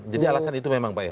jadi alasan itu memang pak ya